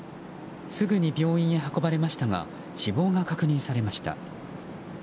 すぐに病院へ運ばれましたが死亡が確認されました。